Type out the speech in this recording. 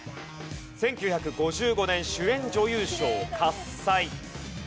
１９５５年主演女優賞『喝采』。